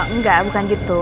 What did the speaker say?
enggak bukan gitu